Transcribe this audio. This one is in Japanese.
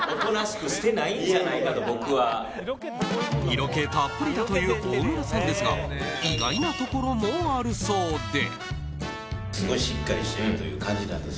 色気たっぷりだという大村さんですが意外なところもあるそうで。